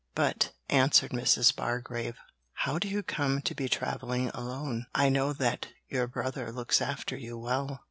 'But,' answered Mrs. Bargrave, 'how do you come to be travelling alone? I know that your brother looks after you well.'